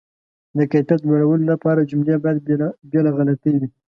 د کیفیت لوړولو لپاره، جملې باید بې له غلطۍ وي.